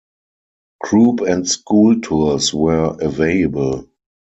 Group and school tours were available.